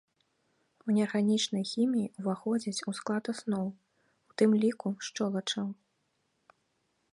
У неарганічнай хіміі ўваходзяць у склад асноў, у тым ліку, шчолачаў.